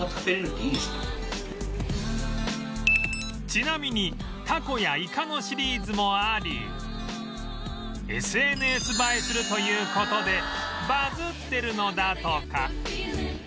ちなみにタコやイカのシリーズもあり ＳＮＳ 映えするという事でバズってるのだとか